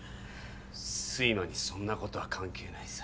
睡魔にそんなことは関係ないさ。